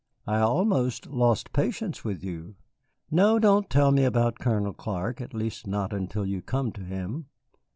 "I almost lose patience with you. No, don't tell me about Colonel Clark at least not until you come to him.